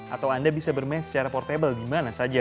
atau anda bisa bermain secara portable di mana saja